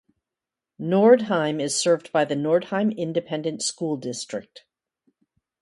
Nordheim is served by the Nordheim Independent School District.